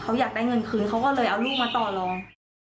เขาอยากได้เงินคืนเขาก็เลยเอาลูกมาต่อลอง